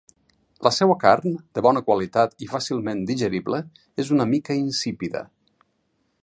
La seua carn, de bona qualitat i fàcilment digerible és una mica insípida.